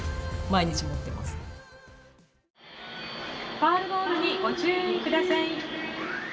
ファウルボールにご注意ください。